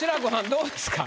どうですか？